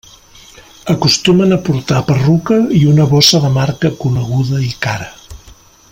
Acostumen a portar perruca i una bossa de marca coneguda i cara.